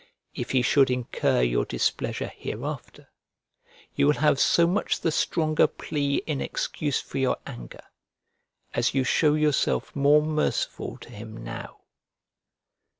If he should incur your displeasure hereafter, you will have so much the stronger plea in excuse for your anger as you show yourself more merciful to him now.